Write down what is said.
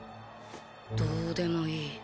どうでもいい。